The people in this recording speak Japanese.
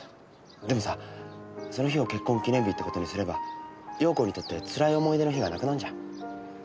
でもさその日を結婚記念日って事にすれば容子にとってつらい思い出の日がなくなんじゃん。